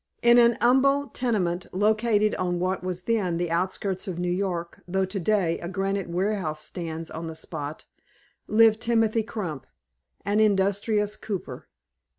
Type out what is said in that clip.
In an humble tenement, located on what was then the outskirts of New York, though to day a granite warehouse stands on the spot, lived Timothy Crump, an industrious cooper.